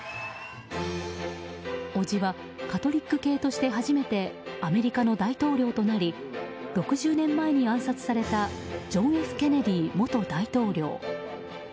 おじはカトリック系として初めてアメリカの大統領となり６０年前に暗殺されたジョン・Ｆ・ケネディ元大統領。